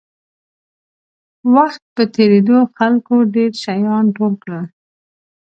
وخت په تېرېدو خلکو ډېر شیان ټول کړل.